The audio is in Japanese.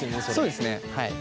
そうですねはい。